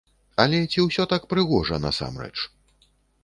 Але ці ўсё так прыгожа насамрэч?